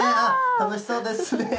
楽しそうですね。